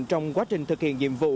trong quá trình thực hiện nhiệm vụ